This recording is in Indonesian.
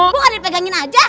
gue kan dipegangin aja